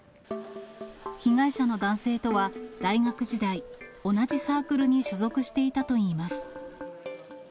被害者の男性とは大学時代、同じサークルに所属していたといいます。